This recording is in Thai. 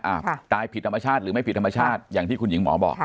ตายผิดธรรมชาติหรือไม่ผิดธรรมชาติอย่างที่คุณหญิงหมอบอก